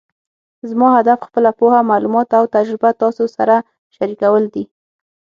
زما هدف خپله پوهه، معلومات او تجربه تاسو سره شریکول دي